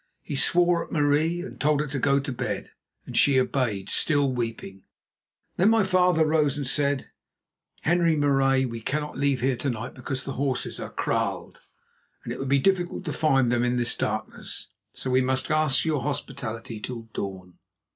He swore at Marie, and told her to go to bed, and she obeyed, still weeping. Then my father rose and said: "Henri Marais, we cannot leave here to night because the horses are kraaled, and it would be difficult to find them in this darkness, so we must ask your hospitality till dawn."